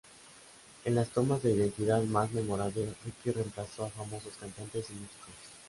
En las tomas de identidad más memorables Ricky remplazo a famosos cantantes y músicos.